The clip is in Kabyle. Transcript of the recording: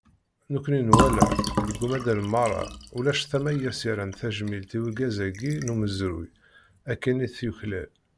Nekkni nwala, deg umaḍal meṛṛa, ulac tama i as-yerran tajmilt i urgaz-agi n umezruy akken i tt-yuklal.